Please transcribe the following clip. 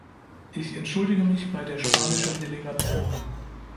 Ich entschuldige mich bei der spanischen Delegation.